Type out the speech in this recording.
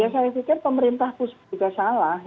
saya pikir pemerintah itu juga salah